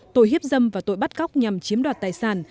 tội hiếp dâm và tội bắt cóc nhằm chiếm đoạt tài sản